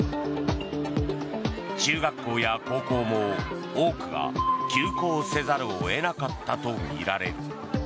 中学校や高校も多くが休校せざるを得なかったとみられる。